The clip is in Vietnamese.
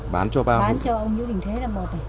bán cho ông nhữ đình thế là một này